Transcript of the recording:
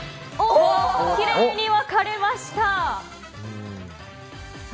きれいに分かれました。